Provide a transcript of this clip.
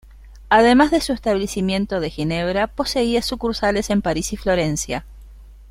Además de su establecimiento de Ginebra, poseía sucursales en París y Florencia.